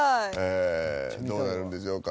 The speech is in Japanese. どうなるんでしょうか？